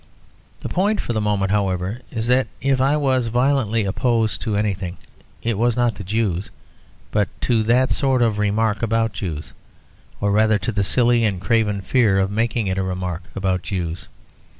The point for the moment, however, is that if I was violently opposed to anything, it was not to Jews, but to that sort of remark about Jews; or rather to the silly and craven fear of making it a remark about Jews.